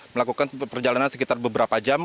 melakukan perjalanan sekitar beberapa jam